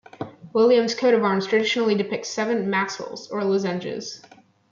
William's coat of arms traditionally depicts seven mascles or lozenges.